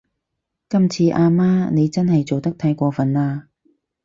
今次阿媽你真係做得太過份喇